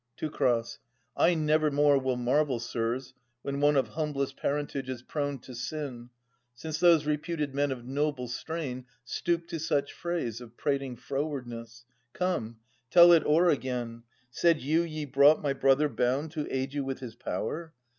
Teu. I nevermore will marvel, sirs, when one Of humblest parentage is prone to sin, Since those reputed men of noble strain Stoop to such phrase of prating frowardness. Come, tell it o'er again, — said you ye brought My brother bound to aid you with his power?